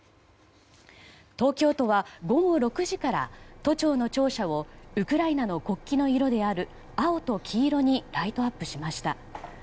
東京都は午後６時から都庁の庁舎をウクライナの国旗の色である青と黄色にライトアップしました。